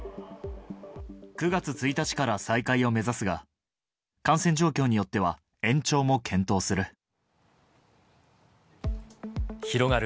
９月１日から再開を目指すが、感染状況によっては延長も検討する。